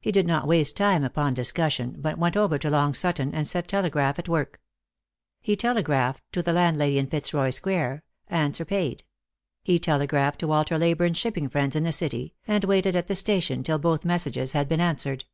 He did not waste time upon discussion, but went over to Long Sutton, and set telegraph at work. He telegraphed to the landlady in Fitzroy square — answer paid. He telegraphed to Walter Leyburne's shipping friends in the City, and waited at the station till both messages had been answered.